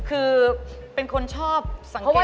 คือเป็นคนชอบสังเกตสลักค่ะ